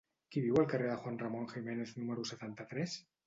Qui viu al carrer de Juan Ramón Jiménez número setanta-tres?